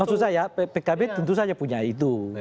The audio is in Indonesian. maksud saya pkb tentu saja punya itu